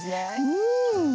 うん。